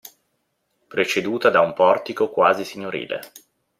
Preceduta da un portico quasi signorile.